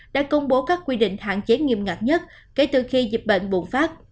đã công bố các quy định hạn chế nghiêm ngặt nhất kể từ khi dịch bệnh bùng phát